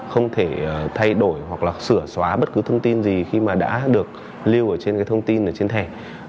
không thể thay đổi hoặc là sửa xóa bất cứ thông tin gì khi mà đã được lưu ở trên cái thông tin ở trên thẻ